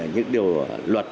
những điều luật